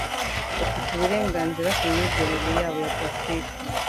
Bafite uburenganzira ku myizerere yabo ya politiki.